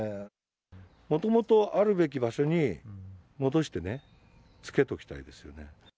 もともとあるべき場所に戻してね、つけときたいですよね。